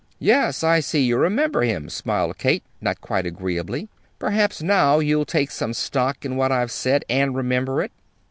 "Yes. I see you remember him," smiled Kate, not quite agreeably. "Perhaps now you'll take some stock in what I've said, and remember it."